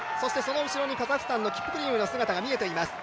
その後ろにカザフスタンのキプキルイの姿が見えています。